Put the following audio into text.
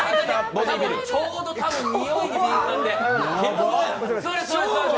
ちょうどにおいに敏感で。